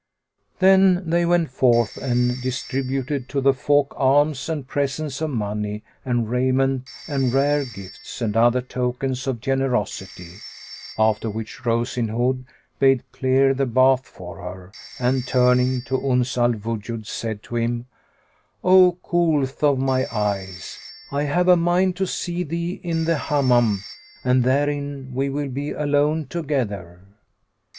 Then they went forth and distributed to the folk alms and presents of money and raiment and rare gifts and other tokens of generosity; after which Rose in Hood bade clear the bath for her[FN#80] and, turning to Uns al Wujud said to him, "O coolth of my eyes, I have a mind to see thee in the Hammam, and therein we will be alone together."